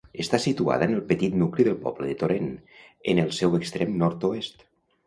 Està situada en el petit nucli del poble de Torèn, en el seu extrem nord-oest.